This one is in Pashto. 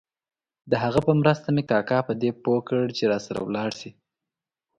د هغه په مرسته مې کاکا په دې پوه کړ چې راسره ولاړ شي.